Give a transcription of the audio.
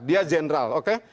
dia jenderal oke